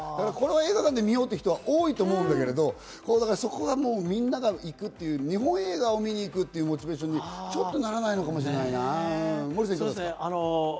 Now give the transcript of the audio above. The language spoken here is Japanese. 映画館で見ようって人は多いと思うけど、みんなが行くという、日本映画を見に行くというモチベーションにならないのかもしれないな。